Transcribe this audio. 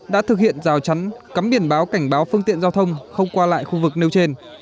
đã thực hiện rào chắn cấm biển báo cảnh báo phương tiện giao thông không qua lại khu vực nêu trên